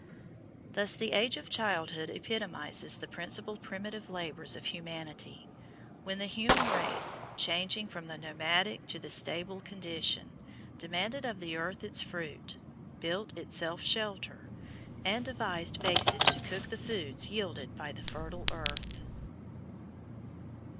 Thus the age of childhood epitomises the principal primitive labours of humanity, when the human race, changing from the nomadic to the stable condition, demanded of the earth its fruit, built itself shelter, and devised vases to cook the foods yielded by the fertile earth.